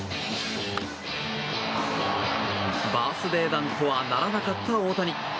バースデー弾とはならなかった大谷。